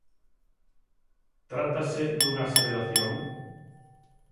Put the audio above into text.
Trátase dunha aseveración?